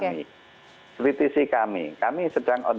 kami sedang on the track untuk menyelesaikan